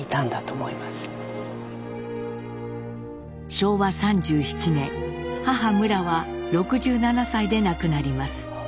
昭和３７年母むらは６７歳で亡くなります。